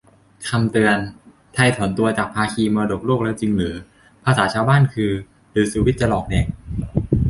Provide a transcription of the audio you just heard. คำเตือน : ไทยถอนตัวจากภาคีมรดกโลกแล้วจริงหรือ ? ภาษาชาวบ้านคือ "หรือสุวิทย์จะหลอกแดก ?"